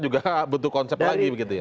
juga butuh konsep lagi begitu ya